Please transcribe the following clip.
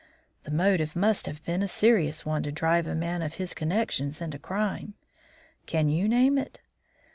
The motive must have been a serious one to drive a man of his connections into crime. Can you name it?